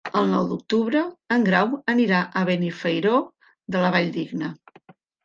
El nou d'octubre en Grau anirà a Benifairó de la Valldigna.